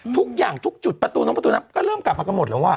ทุกอย่างทุกจุดประตูน้องประตูน้ำก็เริ่มกลับมากันหมดแล้วอ่ะ